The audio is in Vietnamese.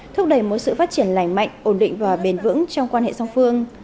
thúc đẩy mối sự phát triển lành mạnh ổn định và bền vững trong quan hệ song phương